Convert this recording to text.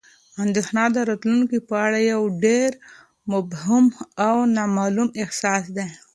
اندېښنه د راتلونکي په اړه یو ډېر مبهم او نامعلوم احساس دی.